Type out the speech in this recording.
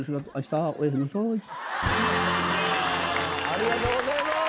ありがとうございます！